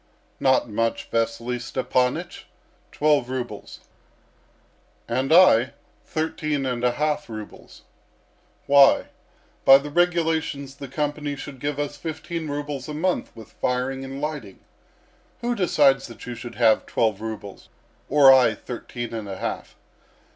"Not much, Vasily Stepanych twelve rubles." "And I, thirteen and a half rubles. Why? By the regulations the company should give us fifteen rubles a month with firing and lighting. Who decides that you should have twelve rubles, or I thirteen and a half?